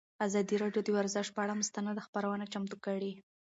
ازادي راډیو د ورزش پر اړه مستند خپرونه چمتو کړې.